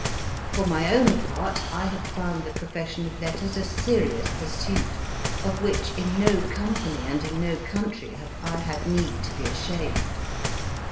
For my own part, I have found the profession of letters a serious pursuit, of which in no company and in no country have I had need to be ashamed.